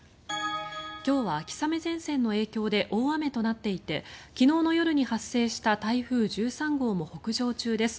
今日は秋雨前線の影響で大雨となっていて昨日の夜に発生した台風１３号も北上中です。